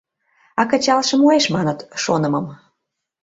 А кычалше муэш, маныт, шонымым